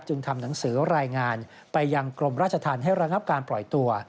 ทำหนังสือรายงานไปยังกรมราชธรรมให้ระงับการปล่อยตัว